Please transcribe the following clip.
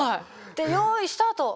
で「用意スタート」。